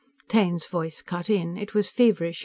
Taine's voice cut in. It was feverish.